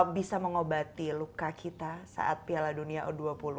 bisa mengobati luka kita saat piala dunia u dua puluh